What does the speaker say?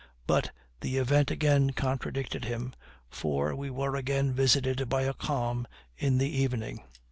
But the event again contradicted him; for we were again visited by a calm in the evening.